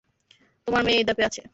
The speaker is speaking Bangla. তোমার মেয়ে এই ধাপে আছে।